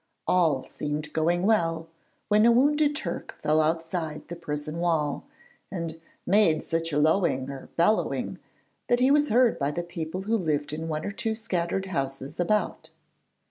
All seemed going well, when a wounded Turk fell outside the prison wall, and 'made such a lowing' or bellowing, that he was heard by the people who lived in one or two scattered houses about.